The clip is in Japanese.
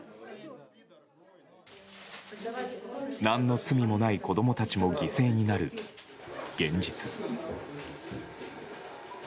何の罪もない子供たちも犠牲になる現実。